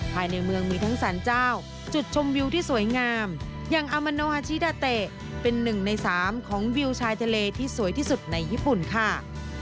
ภายในเมืองมีทั้งสารเจ้าจุดชมวิวที่สวยงามอย่างอามาโนฮาชิดาเตะเป็นหนึ่งในสามของวิวชายทะเลที่สวยที่สุดในญี่ปุ่นค่ะ